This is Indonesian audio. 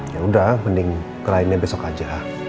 ya udah mending kliennya besok aja